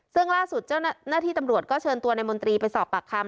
ซึ่งล่าสุดเจ้าหน้าที่ตำรวจก็เชิญตัวในมนตรีไปสอบปากคำ